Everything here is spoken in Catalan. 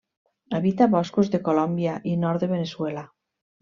Habita boscos de Colòmbia i nord de Veneçuela.